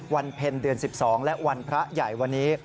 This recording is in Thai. เพ็ญเดือน๑๒และวันพระใหญ่วันนี้